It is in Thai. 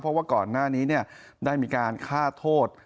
เพราะว่าก่อนหน้านี้ได้มีการฆ่าโทษ